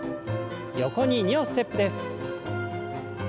横に２歩ステップです。